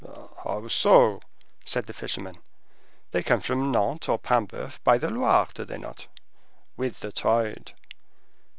"How so?" said the fisherman. "They come from Nantes or Paimboeuf by the Loire, do they not?" "With the tide."